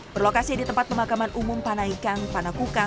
berlokasi di tempat pemakaman umum panaikang pana kuku